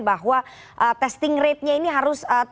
bahwa testing ratenya ini harus terus diatur